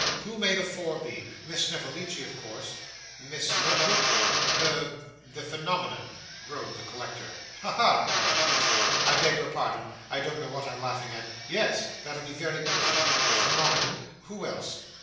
'Who may the four be? Miss Snevellicci of course Miss Ledrook ' 'The the phenomenon,' groaned the collector. 'Ha, ha!' cried Nicholas. 'I beg your pardon, I don't know what I'm laughing at yes, that'll be very pretty the phenomenon who else?